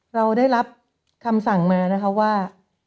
เราได้รับคำสั่งมานะคะว่า